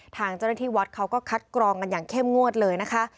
ทางเจ้าหน้าที่วัดเขาก็คัดกรองกันอย่างเข้มงวดเลยนะคะ